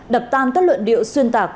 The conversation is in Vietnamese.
đập tan các luận điệu xuyên tạc